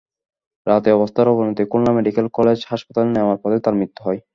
রাতে অবস্থার অবনতি খুলনা মেডিকেল কলেজ হাসপাতালে নেওয়ার পথে তাঁর মৃত্যু হয়।